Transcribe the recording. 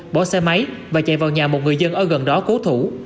bỏ xe máy và chạy vào nhà một người dân ở gần đó cố thủ